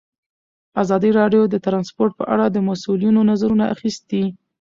ازادي راډیو د ترانسپورټ په اړه د مسؤلینو نظرونه اخیستي.